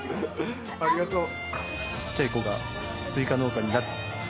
ありがとう。